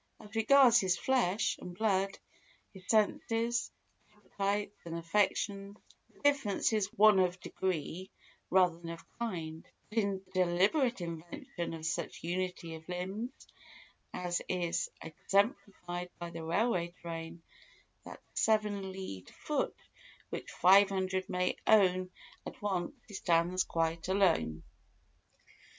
As regards his flesh and blood, his senses, appetites, and affections, the difference is one of degree rather than of kind, but in the deliberate invention of such unity of limbs as is exemplified by the railway train—that seven leagued foot which five hundred may own at once—he stands quite alone.